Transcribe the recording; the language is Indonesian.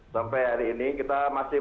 sampai hari ini kita masih